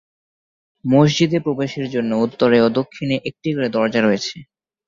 মসজিদে প্রবেশের জন্য উত্তরে ও দক্ষিণে একটি করে দরজা রয়েছে।